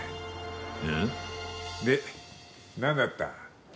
で何だった？